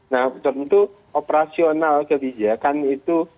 nah tentu operasional kebijakan itu